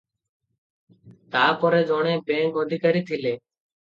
ତା'ପରେ ଜଣେ ବ୍ୟାଙ୍କ ଅଧିକାରୀ ଥିଲେ ।